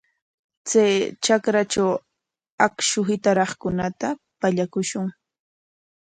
Chay trakratraw akshu hitaraqkunata pallakushun.